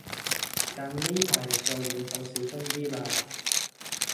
但你呢排做嘢就小心啲啦